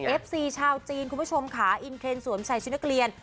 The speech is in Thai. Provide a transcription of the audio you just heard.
เอฟซีชาวจีนคุณผู้ชมค่ะอินเคนสวมใส่ชุดนักเรียน